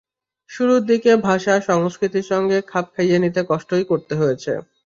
শুরুর দিকে ভাষা, সংস্কৃতির সঙ্গে খাপ খাইয়ে নিতে কষ্টই করতে হয়েছে।